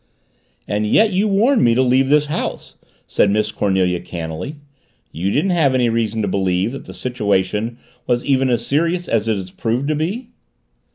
"And yet you warned me to leave this house," said Miss Cornelia cannily. "You didn't have any reason to believe that the situation was even as serious as it has proved to be?"